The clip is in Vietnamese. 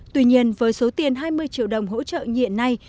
tuy nhiên với số tiền hai mươi triệu đồng hỗ trợ nhiện này